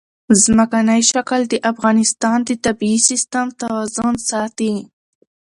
ځمکنی شکل د افغانستان د طبعي سیسټم توازن ساتي.